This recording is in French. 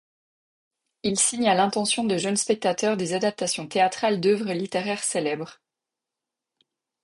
Il signe à l'intention des jeunes spectateurs des adaptations théâtrales d'œuvres littéraires célèbres.